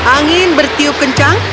angin bertiup kencang